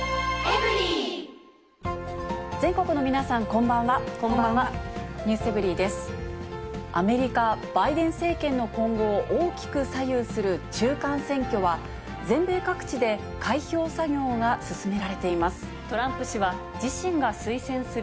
アメリカ、バイデン政権の今後を大きく左右する中間選挙は、全米各地で開票作業が進められています。